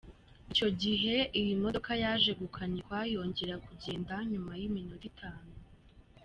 Icyo gihe iyi modoka yaje gukanikwa yongera kugenda nyuma y’iminota itanu.